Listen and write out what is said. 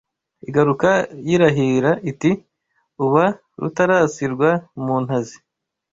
Igaruka yirahira iti uwa rutarasirwa mu ntazi